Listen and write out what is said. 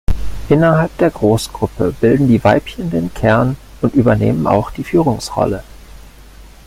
Innerhalb der Großgruppe bilden die Weibchen den Kern und übernehmen auch die Führungsrolle.